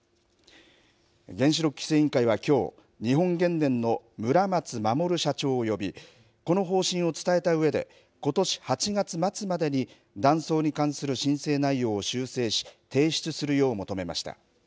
原子力規制委員会はきょう、日本原電の村松衛社長を呼び、この方針を伝えたうえで、ことし８月末までに、断層に関する申請内容を修正し、提出するよう求めました。